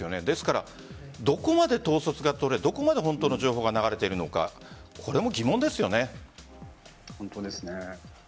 ですから、どこまで統率がとれどこまで本当の情報が流れているのかこれも疑問ですよね。